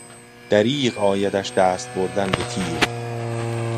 دریغ آیدش دست بردن بتیغ